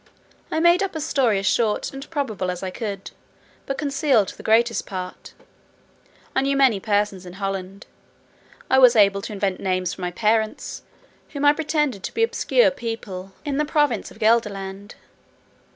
I made up a story as short and probable as I could, but concealed the greatest part. I knew many persons in Holland. I was able to invent names for my parents, whom I pretended to be obscure people in the province of Gelderland.